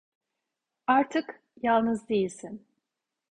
Artık yalnız değilsin.